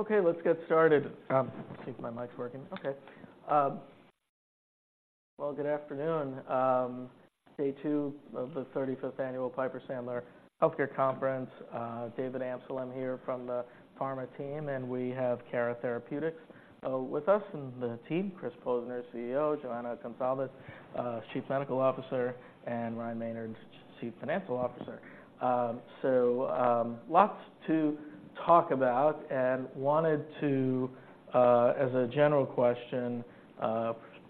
Okay, let's get started. I think my mic's working. Okay. Well, good afternoon. Day two of the 35th Annual Piper Sandler Healthcare Conference. David Amsellem here from the pharma team, and we have Cara Therapeutics with us and the team, Chris Posner, CEO, Joana Gonçalves, Chief Medical Officer, and Ryan Maynard, Chief Financial Officer. So, lots to talk about and wanted to, as a general question,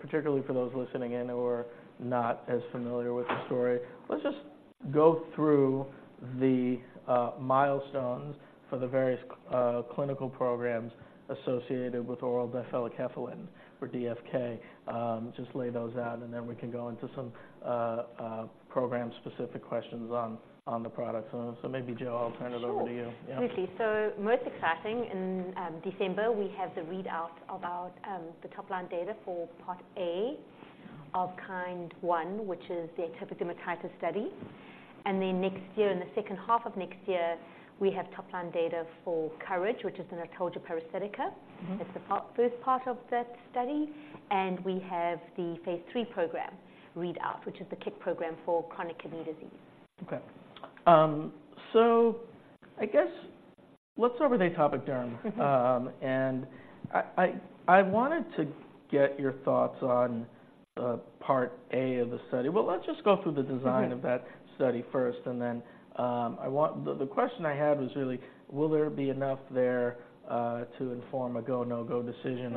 particularly for those listening in who are not as familiar with the story, let's just go through the milestones for the various clinical programs associated with oral difelikefalin or DFK. Just lay those out, and then we can go into some program-specific questions on the product. So maybe, Jo, I'll turn it over to you. Sure. Yeah. Absolutely. So most exciting, in December, we have the readout about the top-line data for Part A of KIND1, which is the atopic dermatitis study. And then next year, in the second half of next year, we have top-line data for COURAGE, which is a notalgia paresthetica. Mm-hmm. It's the part, first part of that study, and we have the phase three program readout, which is the KICK program for chronic kidney disease. Okay. So I guess let's start with atopic derm. Mm-hmm. And I wanted to get your thoughts on Part A of the study. Well, let's just go through the design- Okay. -of that study first, and then, I want... The question I had was really: Will there be enough there to inform a go, no-go decision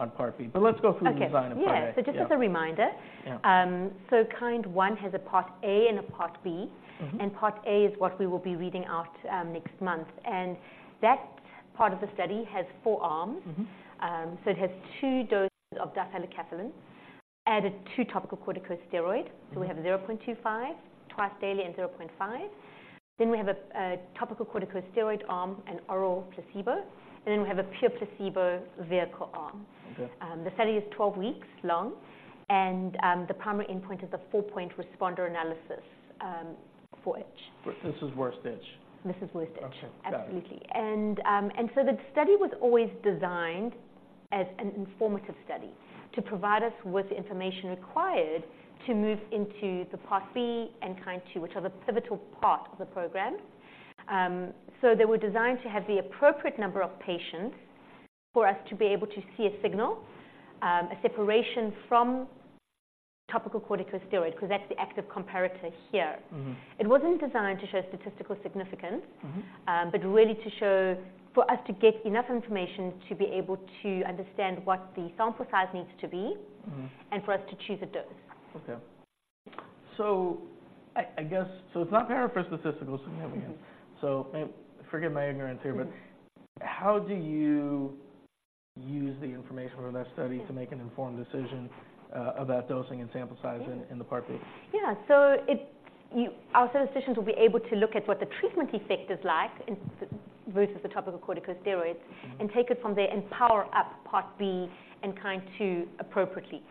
on Part B? Okay. Let's go through the design of Part A. Yeah. Yeah. Just as a reminder. Yeah... KIND1 has a Part A and a Part B. Mm-hmm. Part A is what we will be reading out next month, and that part of the study has four arms. Mm-hmm. It has two doses of difelikefalin added to topical corticosteroid. Mm-hmm. We have 0.25 twice daily and 0.5. Then we have a topical corticosteroid arm and oral placebo, and then we have a pure placebo vehicle arm. Okay. The study is 12 weeks long, and the primary endpoint is a four-point responder analysis for itch. This is Worst Itch? This is worst itch. Okay, got it. Absolutely. And, and so the study was always designed as an informative study to provide us with the information required to move into the Part B and KIND2, which are the pivotal part of the program. So they were designed to have the appropriate number of patients for us to be able to see a signal, a separation from topical corticosteroid, because that's the active comparator here. Mm-hmm. It wasn't designed to show statistical significance- Mm-hmm... but really to show, for us to get enough information to be able to understand what the sample size needs to be- Mm-hmm and for us to choose a dose. Okay. So I guess... So it's not para for statistical significance. Mm-hmm. Forgive my ignorance here, but how do you use the information from that study? Yeah -to make an informed decision about dosing and sample size- Yeah in the Part B? Yeah. So it's our statisticians will be able to look at what the treatment effect is like in versus the topical corticosteroids- Mm-hmm -and take it from there and power up Part B and KIND2 appropriately.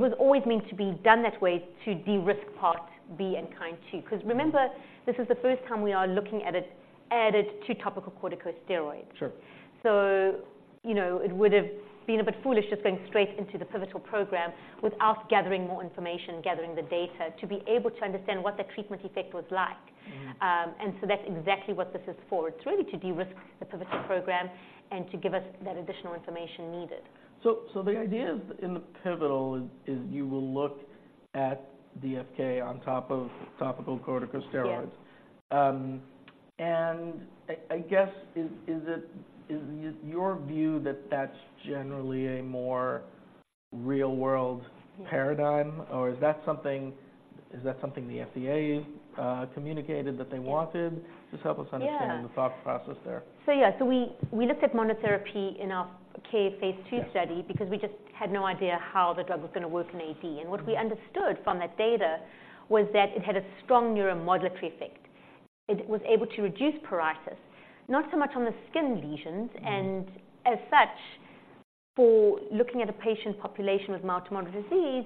It was always meant to be done that way to de-risk Part B and KIND2. Mm-hmm. Because remember, this is the first time we are looking at it added to topical corticosteroids. Sure. You know, it would have been a bit foolish just going straight into the pivotal program without gathering more information, gathering the data, to be able to understand what the treatment effect was like. Mm-hmm. And so that's exactly what this is for. It's really to de-risk the pivotal program and to give us that additional information needed. So, the idea is, in the pivotal, you will look at DFK on top of topical corticosteroids? Yes. And I guess, is it your view that that's generally a more real-world paradigm- Yeah -or is that something, is that something the FDA communicated that they wanted? Yeah. Just help us understand- Yeah the thought process there. Yeah, we looked at monotherapy in our K phase two study- Yeah Because we just had no idea how the drug was going to work in AD. Mm-hmm. What we understood from that data was that it had a strong neuromodulatory effect. It was able to reduce pruritus, not so much on the skin lesions- Mm-hmm As such, for looking at a patient population with mild to moderate disease,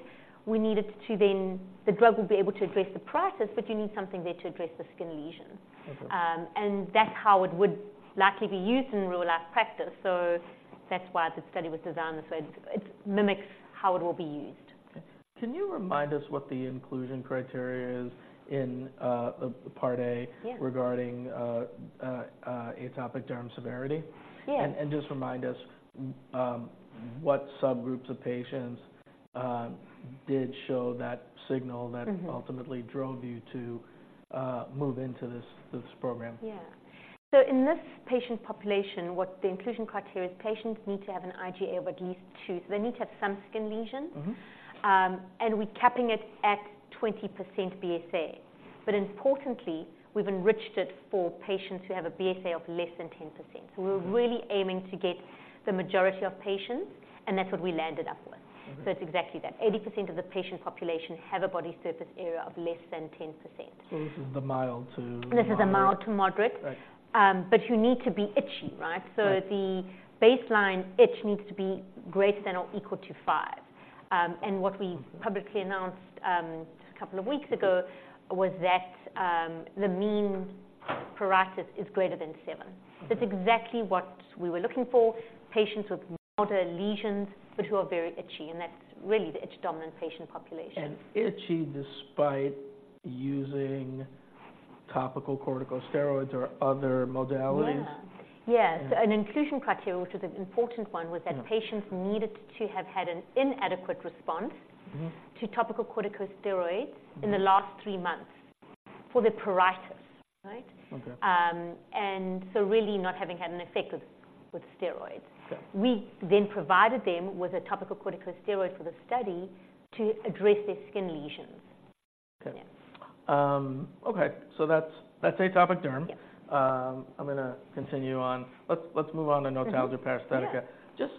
we needed to then... The drug would be able to address the process, but you need something there to address the skin lesions. Okay. That's how it would likely be used in real-life practice. That's why the study was designed this way. It mimics how it will be used. Okay. Can you remind us what the inclusion criteria is in Part A- Yeah - regarding atopic derm severity? Yeah. And just remind us, what subgroups of patients did show that signal- Mm-hmm -that ultimately drove you to move into this, this program? Yeah. In this patient population, what the inclusion criteria is, patients need to have an IGA of at least two. They need to have some skin lesions. Mm-hmm. And we're capping it at 20% BSA. But importantly, we've enriched it for patients who have a BSA of less than 10%. Mm-hmm. We're really aiming to get the majority of patients, and that's what we landed up with. Okay. It's exactly that. 80% of the patient population have a body surface area of less than 10%. This is the mild to moderate? This is the mild to moderate. Right. But you need to be itchy, right? Right. So the baseline itch needs to be greater than or equal to five... and what we publicly announced just a couple of weeks ago was that the mean pruritus is greater than seven. Mm-hmm. That's exactly what we were looking for, patients with moderate lesions, but who are very itchy, and that's really the itch-dominant patient population. Itchy despite using topical corticosteroids or other modalities? Yeah. Yes. Yeah. An inclusion criteria, which is an important one- Yeah... was that patients needed to have had an inadequate response- Mm-hmm... to topical corticosteroids- Mm-hmm in the last three months for the pruritus, right? Okay. And so really not having had an effect with steroids. Okay. We then provided them with a topical corticosteroid for the study to address their skin lesions. Okay. Yeah. Okay. So that's, that's atopic derm. Yeah. I'm gonna continue on. Let's move on to notalgia paresthetica. Yeah. Just,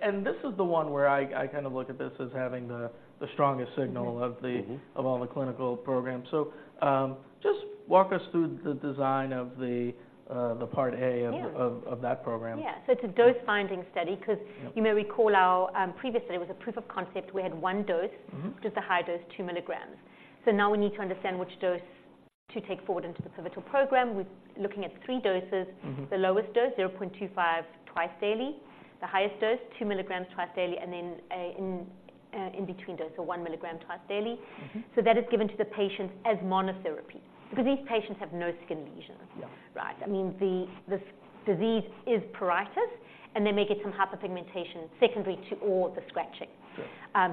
and this is the one where I kind of look at this as having the strongest signal- Mm-hmm... of the- Mm-hmm of all the clinical programs. So, just walk us through the design of the part A of- Yeah... of that program. Yeah. So it's a dose-finding study- Yeah... 'cause you may recall our previous study was a proof of concept. We had one dose. Mm-hmm. Just a high dose, 2 mg. So now we need to understand which dose to take forward into the pivotal program. We're looking at three doses. Mm-hmm. The lowest dose, 0.25 mg twice daily, the highest dose, 2 mg twice daily, and then an in-between dose, so 1 mg twice daily. Mm-hmm. That is given to the patients as monotherapy because these patients have no skin lesions. Yeah. Right? That means the disease is pruritus, and they may get some hyperpigmentation secondary to all the scratching. Sure.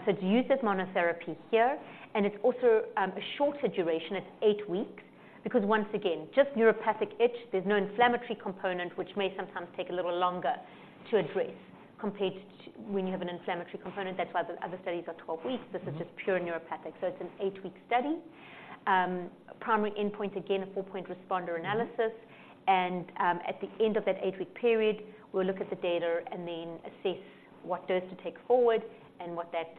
So, to use this monotherapy here, and it's also a shorter duration. It's eight weeks because, once again, just neuropathic itch, there's no inflammatory component, which may sometimes take a little longer to address compared to when you have an inflammatory component. That's why the other studies are 12 weeks. Mm-hmm. This is just pure neuropathic, so it's an eight-week study. Primary endpoint, again, a four-point responder analysis. Mm-hmm. At the end of that eight-week period, we'll look at the data and then assess what dose to take forward and what that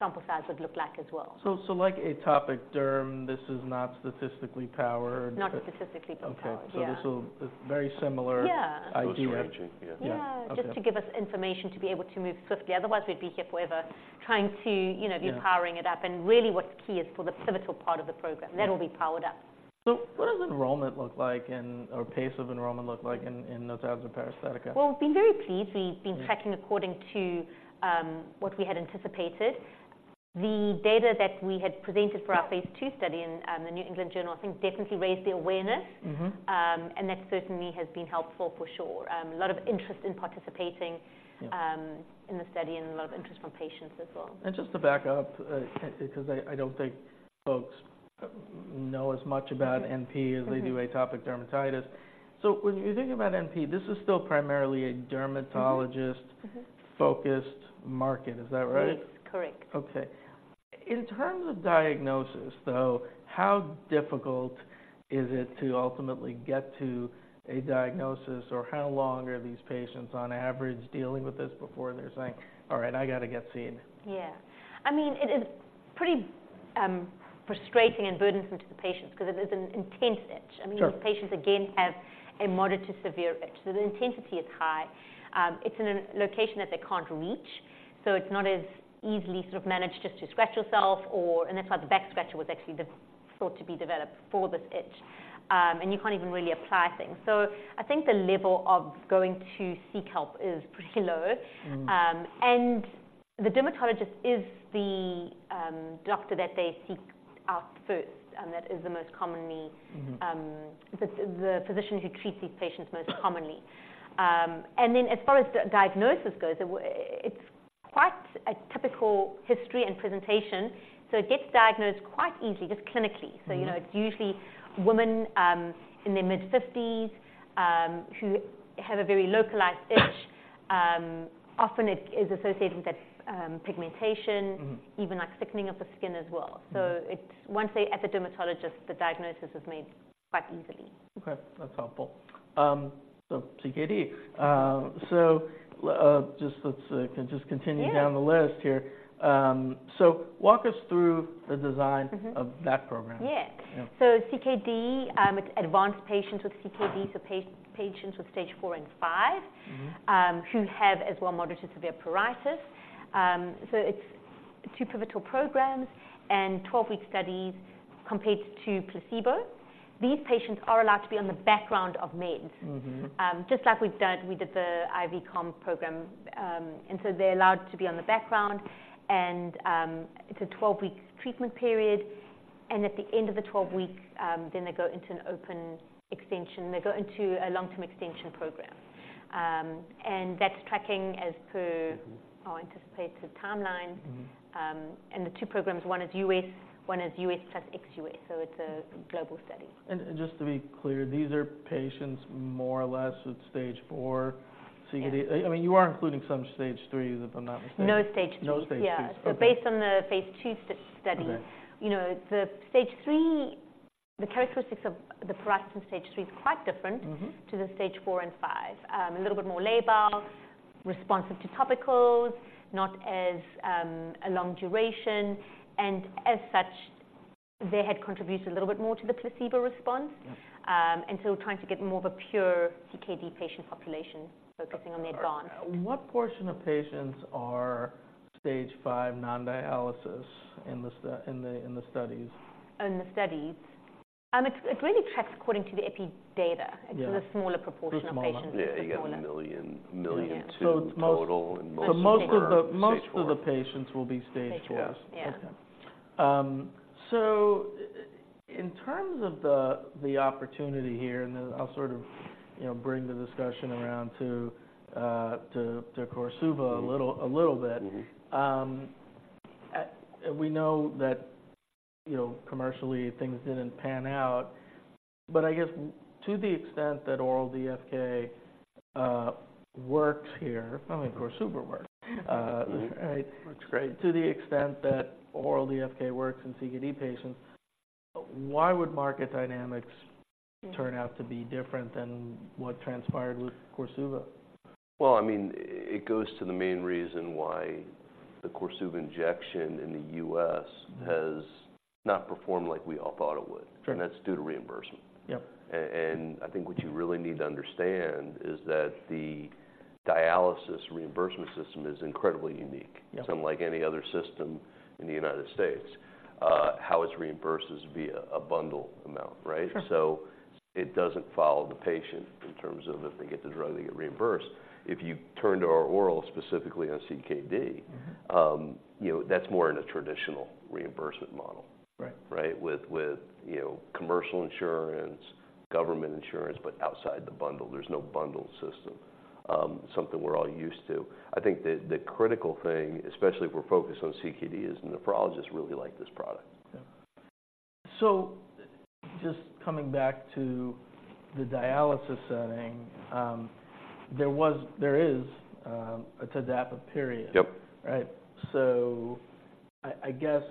sample size would look like as well. So, like atopic derm, this is not statistically powered? Not statistically powered. Okay. Yeah. So this will... It's very similar. Yeah... idea. Strategizing, yeah. Yeah. Okay. Yeah, just to give us information to be able to move swiftly. Otherwise, we'd be here forever trying to, you know- Yeah... be powering it up, and really what's key is for the pivotal part of the program. Yeah. That will be powered up. So what does enrollment look like in, or pace of enrollment look like in, in notalgia paresthetica? Well, we've been very pleased. Yeah. We've been tracking according to what we had anticipated. The data that we had presented for our- Mm-hmm... phase two study in the New England Journal, I think, definitely raised the awareness. Mm-hmm. And that certainly has been helpful for sure. A lot of interest in participating- Yeah... in the study and a lot of interest from patients as well. Just to back up, because I don't think folks know as much about- Okay... NP as they do atopic dermatitis. So when you think about NP, this is still primarily a dermatologist- Mm-hmm... focused market. Is that right? Yes, correct. Okay. In terms of diagnosis, though, how difficult is it to ultimately get to a diagnosis, or how long are these patients on average dealing with this before they're saying, "All right, I gotta get seen? Yeah. I mean, it is pretty frustrating and burdensome to the patients because it is an intense itch. Sure. I mean, these patients, again, have a moderate to severe itch, so the intensity is high. It's in a location that they can't reach, so it's not as easily sort of managed just to scratch yourself or... And that's why the back scratcher was actually the thought to be developed for this itch. And you can't even really apply things. So I think the level of going to seek help is pretty low. Mm-hmm. The dermatologist is the doctor that they seek out first, and that is the most commonly- Mm-hmm... the physician who treats these patients most commonly. And then, as far as diagnosis goes, it's quite a typical history and presentation, so it gets diagnosed quite easily, just clinically. Mm-hmm. So, you know, it's usually women in their mid-50s who have a very localized itch. Often it is associated with pigmentation- Mm-hmm... even, like, thickening of the skin as well. Mm-hmm. Once they're at the dermatologist, the diagnosis is made quite easily. Okay, that's helpful. So CKD. So, just continue- Yeah... down the list here. So walk us through the design- Mm-hmm... of that program. Yeah. Yeah. So CKD, it's advanced patients with CKD, so patients with stage four and five- Mm-hmm... who have as well moderate-to-severe pruritus. So it's two pivotal programs and twelve-week studies compared to placebo. These patients are allowed to be on the background of meds. Mm-hmm. Just like we've done, we did the IVCOM program, and so they're allowed to be on the background. And, it's a 12-week treatment period, and at the end of the 12 weeks, then they go into an open extension. They go into a long-term extension program. And that's tracking as per- Mm-hmm... our anticipated timeline. Mm-hmm. The two programs, one is U.S., one is U.S. plus ex-U.S., so it's a global study. Just to be clear, these are patients more or less with stage four CKD. Yeah. I mean, you are including some stage threes, if I'm not mistaken. No stage two. No stage two. Yeah. Okay. So based on the phase two study- Okay... you know, the stage three, the characteristics of the pruritus in stage three is quite different- Mm-hmm ...to the stage four and five. A little bit more labile, responsive to topicals, not as long a duration, and as such, they had contributed a little bit more to the placebo response. Yes. Trying to get more of a pure CKD patient population focusing on the advanced. What portion of patients are stage five non-dialysis in the studies? In the studies? It really tracks according to the Epi Data. Yeah. It's a smaller proportion- They're smaller? -of patients. Yeah, you got one million, 1.2 million total, and most are stage four. So most of the patients will be stage four? Stage four. Yeah. Yeah. Okay. So in terms of the opportunity here, and then I'll sort of, you know, bring the discussion around to KORSUVA a little bit. Mm-hmm. We know that, you know, commercially, things didn't pan out. But I guess to the extent that oral DFK works here, I mean, KORSUVA works, It works great. To the extent that oral DFK works in CKD patients, why would market dynamics turn out to be different than what transpired with KORSUVA? Well, I mean, it goes to the main reason why the KORSUVA injection in the U.S.- Mm... has not performed like we all thought it would. Sure. That's due to reimbursement. Yep. I think what you really need to understand is that the dialysis reimbursement system is incredibly unique. Yep - unlike any other system in the United States. How it's reimbursed is via a bundle amount, right? Sure. So it doesn't follow the patient in terms of if they get the drug, they get reimbursed. If you turn to our oral, specifically on CKD- Mm-hmm... you know, that's more in a traditional reimbursement model. Right. Right? With you know, commercial insurance, government insurance, but outside the bundle, there's no bundle system, something we're all used to. I think the critical thing, especially if we're focused on CKD, is nephrologists really like this product. Yeah. So just coming back to the dialysis setting, there is a TDAPA period. Yep. Right. So I guess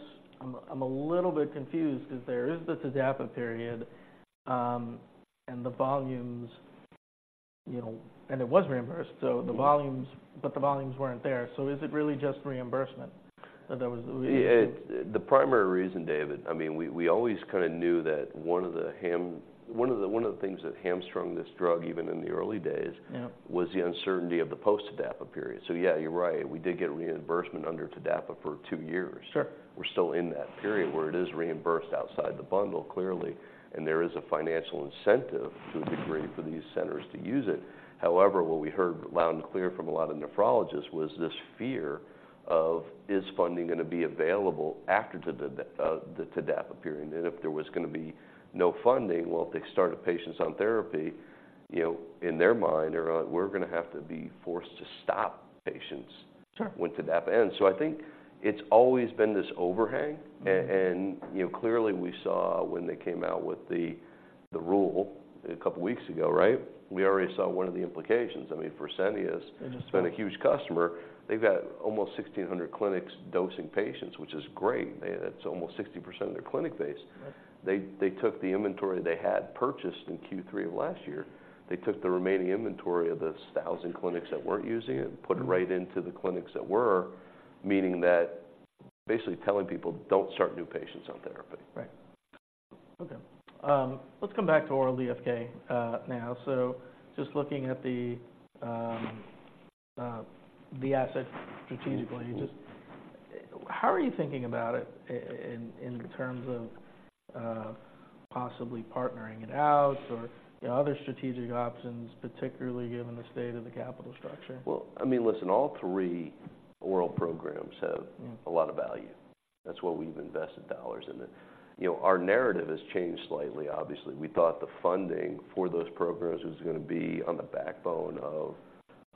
I'm a little bit confused, because there is the TDAPA period, and the volumes, you know, and it was reimbursed, so the volumes- Mm-hmm. But the volumes weren't there, so is it really just reimbursement? That was the- Yeah, it's the primary reason, David. I mean, we always kinda knew that one of the things that hamstrung this drug, even in the early days- Yeah... was the uncertainty of the post-TDAPA period. So yeah, you're right. We did get reimbursement under TDAPA for two years. Sure. We're still in that period where it is reimbursed outside the bundle, clearly, and there is a financial incentive, to a degree, for these centers to use it. However, what we heard loud and clear from a lot of nephrologists was this fear of, is funding gonna be available after the TDAPA period? And if there was gonna be no funding, well, if they started patients on therapy, you know, in their mind, they're like, "We're gonna have to be forced to stop patients- Sure - when TDAPA ends." So I think it's always been this overhang. Mm-hmm. You know, clearly, we saw when they came out with the rule a couple weeks ago, right? We already saw one of the implications. I mean, Fresenius- Mm-hmm has been a huge customer. They've got almost 1,600 clinics dosing patients, which is great. That's almost 60% of their clinic base. Right. They took the inventory they had purchased in Q3 of last year. They took the remaining inventory of the 1,000 clinics that weren't using it- Mm Put it right into the clinics that were, meaning that basically telling people, "Don't start new patients on therapy. Right. Okay. Let's come back to oral DFK now. So just looking at the asset strategically- Mm, mm... just, how are you thinking about it in terms of, possibly partnering it out or, you know, other strategic options, particularly given the state of the capital structure? Well, I mean, listen, all three oral programs have- Mm a lot of value. That's why we've invested dollars in it. You know, our narrative has changed slightly, obviously. We thought the funding for those programs was gonna be on the backbone of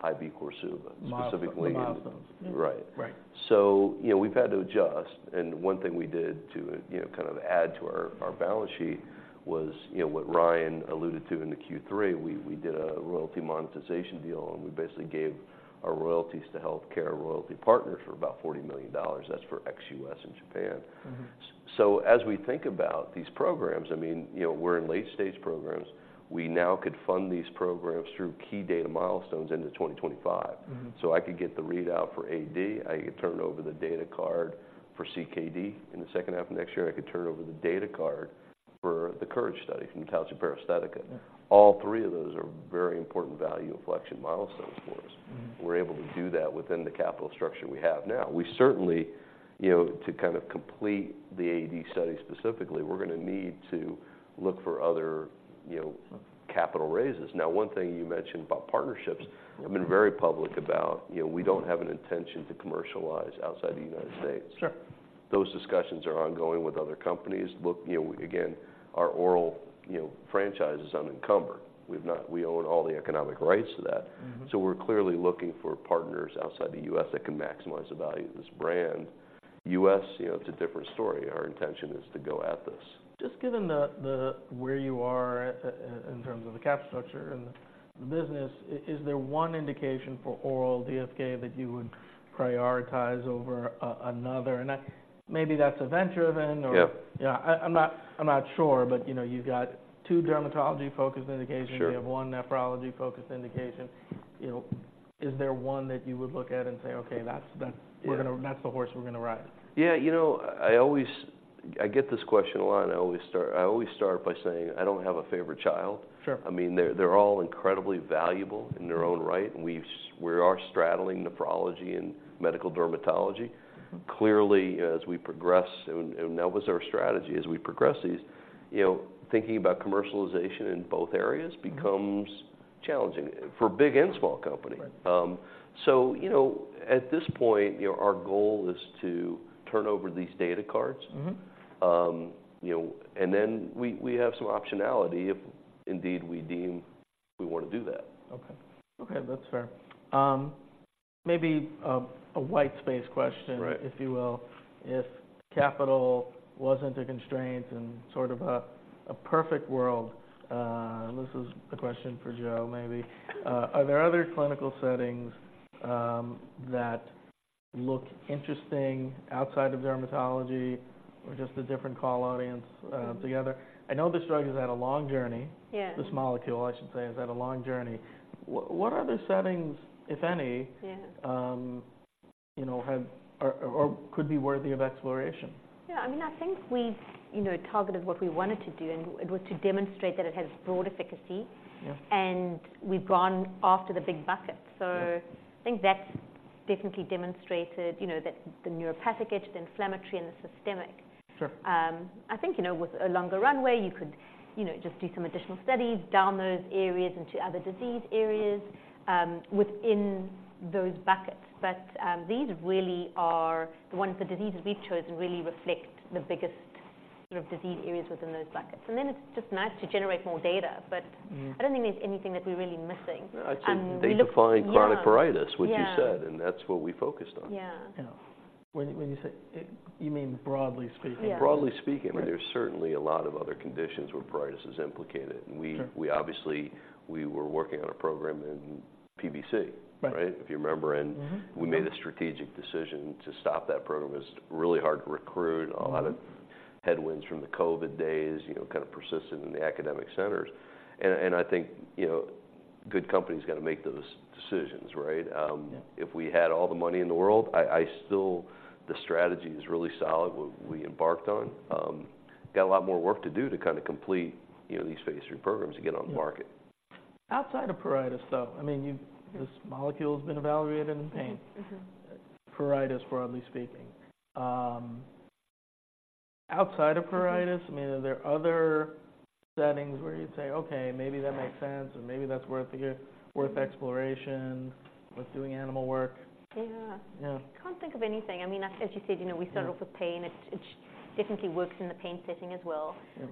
IV KORSUVA, specifically- Milestones, the milestones. Right. Right. So, you know, we've had to adjust, and one thing we did to, you know, kind of add to our balance sheet was, you know, what Ryan alluded to in the Q3, we did a royalty monetization deal, and we basically gave our royalties to Healthcare Royalty Partners for about $40 million. That's for ex-U.S. and Japan. Mm-hmm. So as we think about these programs, I mean, you know, we're in late stage programs. We now could fund these programs through key data milestones into 2025. Mm-hmm. So I could get the readout for AD. I could turn over the data card for CKD. In the second half of next year, I could turn over the data card for the COURAGE study for notalgia paresthetica. Yeah. All three of those are very important value inflection milestones for us. Mm-hmm. We're able to do that within the capital structure we have now. We certainly, you know, to kind of complete the AD study, specifically, we're gonna need to look for other, you know, capital raises. Now, one thing you mentioned about partnerships- Mm-hmm... I've been very public about, you know, we don't have an intention to commercialize outside the United States. Sure. Those discussions are ongoing with other companies. Look, you know, again, our oral, you know, franchise is unencumbered. We own all the economic rights to that. Mm-hmm. So we're clearly looking for partners outside the U.S. that can maximize the value of this brand. U.S., you know, it's a different story. Our intention is to go at this. Just given the where you are in terms of the capital structure and the business, is there one indication for oral DFK that you would prioritize over another? And that maybe that's a venture event or- Yep. Yeah, I'm not sure, but, you know, you've got two dermatology-focused indications. Sure. You have one nephrology-focused indication. You know, is there one that you would look at and say, "Okay, that's, that's- Yeah We're gonna... That's the horse we're gonna ride? Yeah, you know, I get this question a lot, and I always start, I always start by saying, I don't have a favorite child. Sure. I mean, they're all incredibly valuable in their own right, and we are straddling nephrology and medical dermatology. Clearly, as we progress, and that was our strategy, as we progress these, you know, thinking about commercialization in both areas becomes challenging for big and small company. Right. You know, at this point, you know, our goal is to turn over these data cards. Mm-hmm. You know, and then we have some optionality if indeed we deem we wanna do that. Okay. Okay, that's fair. Maybe a white space question- Right... if you will. If capital wasn't a constraint in sort of a perfect world, this is a question for Jo maybe. Are there other clinical settings that look interesting outside of dermatology or just a different call audience together? I know this drug has had a long journey. Yeah. This molecule, I should say, has had a long journey. What other settings, if any? Yeah... you know, have or could be worthy of exploration? Yeah, I mean, I think we, you know, targeted what we wanted to do, and it was to demonstrate that it has broad efficacy. Yeah. We've gone after the big buckets. Yeah. I think that's definitely demonstrated, you know, that the neuropathic, the inflammatory, and the systemic. Sure. I think, you know, with a longer runway, you could, you know, just do some additional studies down those areas into other disease areas, within those buckets. But, these really are the ones, the diseases we've chosen really reflect the biggest sort of disease areas within those buckets. And then it's just nice to generate more data. Mm. But I don't think there's anything that we're really missing. We look- No, I'd say they define chronic pruritus- Yeah... which you said, and that's what we focused on. Yeah. Yeah. When you say it, you mean broadly speaking? Yeah. Broadly speaking. Right. I mean, there's certainly a lot of other conditions where pruritus is implicated. Sure. We obviously, we were working on a program in PBC. Right... right, if you remember, and Mm-hmm. Mm-hmm... We made a strategic decision to stop that program. It was really hard to recruit. Mm-hmm. A lot of headwinds from the COVID days, you know, kind of persisted in the academic centers. And I think, you know, good companies gotta make those decisions, right? Yeah... if we had all the money in the world, I still... the strategy is really solid, what we embarked on. Got a lot more work to do to kinda complete, you know, these phase III programs to get on the market. Outside of pruritus, though, I mean, this molecule has been evaluated in pain. Mm-hmm. Pruritus, broadly speaking. Outside of pruritus, I mean, are there other settings where you'd say, "Okay, maybe that makes sense, or maybe that's worth exploration with doing animal work? Yeah. Yeah. Can't think of anything. I mean, as you said, you know, we started off with pain. Yeah. It definitely works in the pain setting as well. Yeah.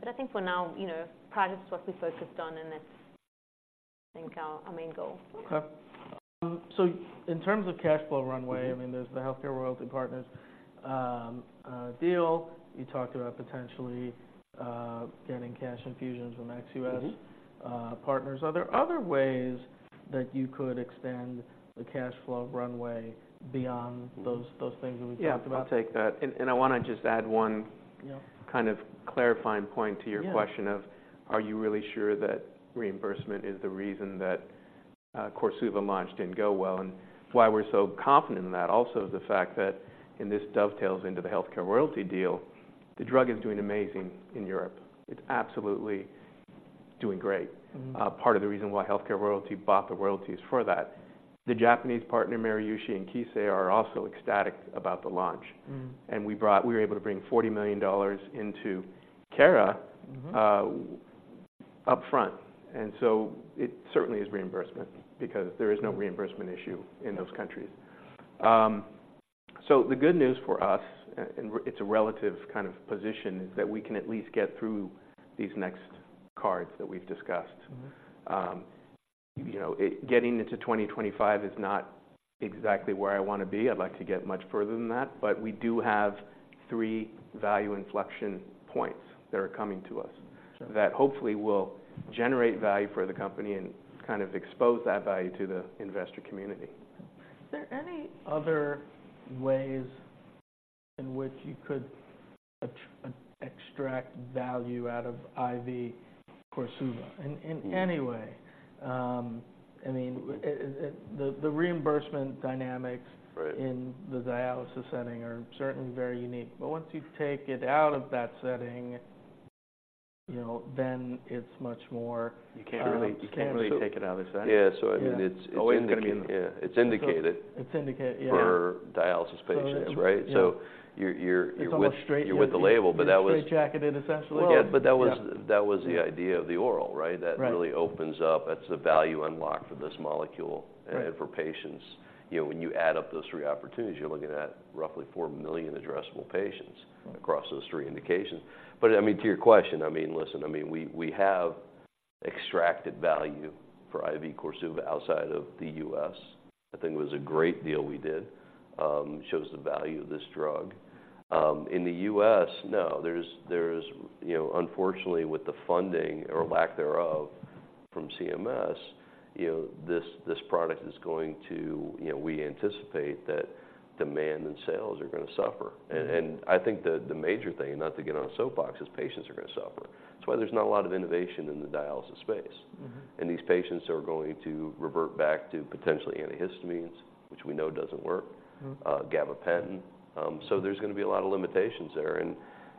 But I think for now, you know, pruritus is what we focused on, and that's, I think, our main goal. Okay. So in terms of cash flow runway- Mm-hmm... I mean, there's the Healthcare Royalty Partners deal. You talked about potentially getting cash infusions from ex U.S.- Mm-hmm... partners. Are there other ways that you could extend the cash flow runway beyond those, those things that we talked about? Yeah, I'll take that. And I wanna just add one- Yeah... kind of clarifying point to your question- Yeah ...of, are you really sure that reimbursement is the reason that KORSUVA launch didn't go well? And why we're so confident in that, also, is the fact that, and this dovetails into the Healthcare Royalty deal, the drug is doing amazing in Europe. It's absolutely doing great. Mm-hmm. Part of the reason why Healthcare Royalty bought the royalties for that. The Japanese partner, Meiji Seika and Kissei, are also ecstatic about the launch. Mm. We were able to bring $40 million into Cara- Mm-hmm... upfront, and so it certainly is reimbursement because there is no reimbursement issue in those countries. So the good news for us, and it's a relative kind of position, is that we can at least get through these next cards that we've discussed. Mm-hmm. You know, getting into 2025 is not exactly where I wanna be. I'd like to get much further than that, but we do have three value inflection points that are coming to us- Sure... that hopefully will generate value for the company and kind of expose that value to the investor community. Are there any other ways in which you could extract value out of IV KORSUVA, in any way? I mean, the reimbursement dynamics- Right... in the dialysis setting are certainly very unique. But once you take it out of that setting, you know, then it's much more, You can't really, you can't really take it out of the setting. Yeah. So, I mean, it's indicated- Always gonna be- Yeah, it's indicated. It's indicated, yeah. For dialysis patients, right? So it's- So you're with- It's almost straight.... you're with the label, but that was- You're straitjacketed, essentially. Well, but that was- Yeah... that was the idea of the oral, right? Right. That really opens up... That's the value unlock for this molecule- Right... and for patients. You know, when you add up those three opportunities, you're looking at roughly four million addressable patients- Right... across those three indications. But, I mean, to your question, I mean, listen, I mean, we, we have extracted value for IV KORSUVA outside of the U.S. I think it was a great deal we did. Shows the value of this drug. In the U.S., no, there's- you know, unfortunately, with the funding or lack thereof from CMS, you know, this, this product is going to... You know, we anticipate that demand and sales are gonna suffer. And I think the major thing, not to get on a soapbox, is patients are gonna suffer. That's why there's not a lot of innovation in the dialysis space. Mm-hmm. These patients are going to revert back to potentially antihistamines, which we know doesn't work. Mm-hmm. Gabapentin. So there's gonna be a lot of limitations there. And,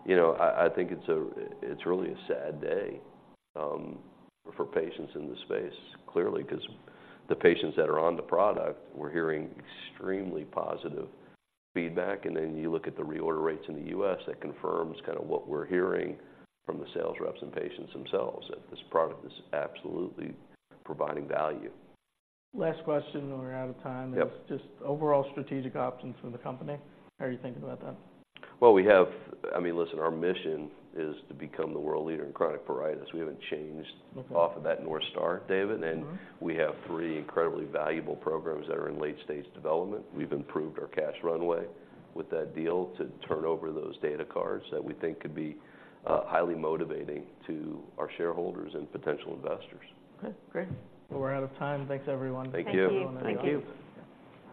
you know, I think it's really a sad day for patients in this space, clearly, 'cause the patients that are on the product, we're hearing extremely positive feedback. And then you look at the reorder rates in the U.S., that confirms kind of what we're hearing from the sales reps and patients themselves, that this product is absolutely providing value. Last question, and we're out of time. Yep. Just overall strategic options for the company. How are you thinking about that? Well, we have... I mean, listen, our mission is to become the world leader in chronic pruritus. We haven't changed- Mm-hmm... off of that North Star, David. Mm-hmm. We have three incredibly valuable programs that are in late-stage development. We've improved our cash runway with that deal to turn over those data cards that we think could be highly motivating to our shareholders and potential investors. Okay, great. Well, we're out of time. Thanks, everyone. Thank you. Thank you. Thank you.